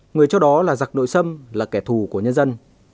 người cho đó là giặc nội sâm là kẻ thù của nhân dân